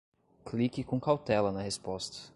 Clique com cautela na resposta!